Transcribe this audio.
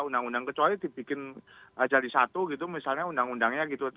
undang undang kecuali dibikin jadi satu gitu misalnya undang undangnya gitu